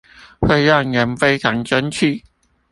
會讓人非常生氣